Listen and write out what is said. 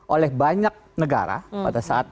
oleh banyak negara pada saat